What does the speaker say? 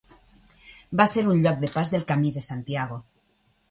Va ser un lloc de pas del camí de Santiago.